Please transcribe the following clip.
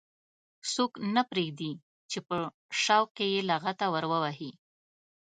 څوک نه پرېږدي چې په شوق کې یې لغته ور ووهي.